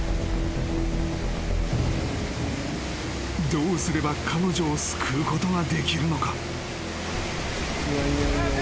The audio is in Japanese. ［どうすれば彼女を救うことができるのか？］